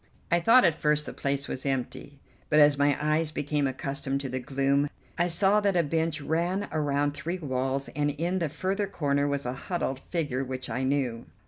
I thought at first the place was empty, but as my eyes became accustomed to the gloom I saw that a bench ran around three walls and in the further corner was a huddled figure which I knew.